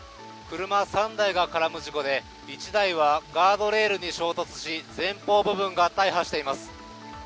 車３台が絡む事故で１台はガードレールに衝突し前方部分が大破しています。